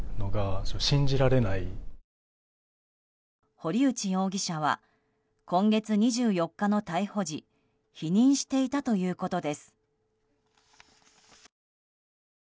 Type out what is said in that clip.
堀内容疑者は今月２４日の逮捕時否認していたということです。